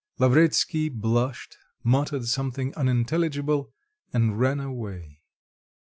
Lavretsky blushed, muttered something unintelligible, and ran away.